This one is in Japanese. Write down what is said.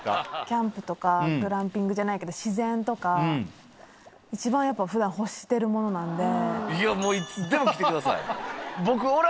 キャンプとかグランピングじゃないけど自然とか一番やっぱ普段欲してるものなんで。